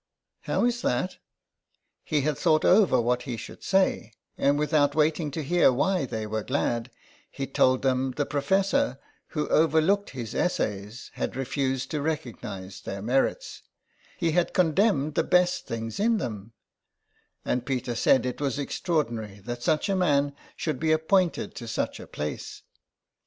'''' How is that?'' He had thought over what he should say, and without waiting to hear why they were glad, he told them the professor, who overlooked his essays, had refused to recognise their merits — he had condemned the best things in them ; and Peter said it was extra ordinary that such a man should be appointed to such a place.